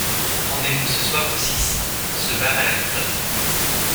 Rendez-vous ce soir au Six, ce bar a l'air top.